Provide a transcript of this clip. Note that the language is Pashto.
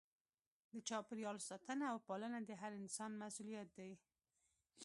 د چاپیریال ساتنه او پالنه د هر انسان مسؤلیت دی.